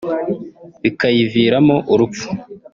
bikayiviramo urupfu